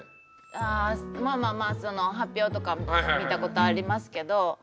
あまぁまぁまぁ発表とか見たことありますけど。